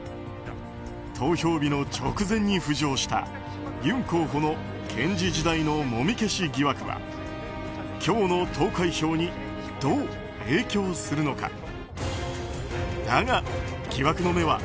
投票日の直前に浮上したユン候補の検事時代のもみ消し疑惑は今日の投開票にどう影響するのか。